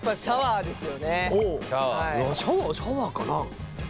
いやシャワーシャワーかな？